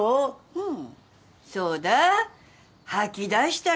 うん。